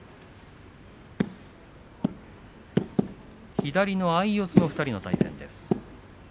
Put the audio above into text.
左の相四つの対戦です。